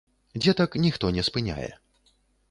Дзетак ніхто не спыняе.